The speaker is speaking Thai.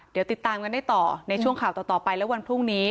เดี๋ยวติดตามกันได้ต่อในช่วงข่าวต่อไปและวันพรุ่งนี้